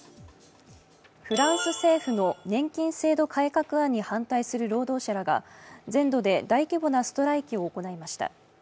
フランス政府の年金制度改革案に反対する労働者らが全土で大規模なストライキを行いました。